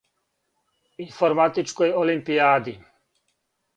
Информатичкој олимпијади.